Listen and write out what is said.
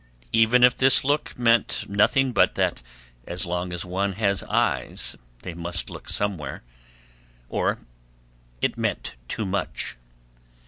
Either this look meant nothing but that as long as one has eyes they must look somewhere, or it meant too much.